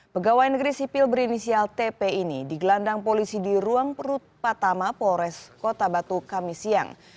pegawai negeri sipil berinisial tp ini digelandang polisi di ruang perut patama polres kota batu kami siang